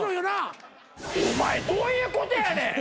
お前どういうことやねん！